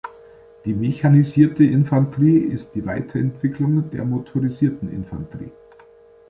Die "Mechanisierte Infanterie" ist die Weiterentwicklung der Motorisierten Infanterie.